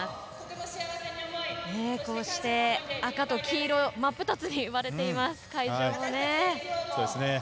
こうして、赤と黄色真っ二つに割れています会場もね。